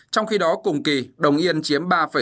trong khi đó cùng tăng một bảy dự trữ ngoại hối toàn cầu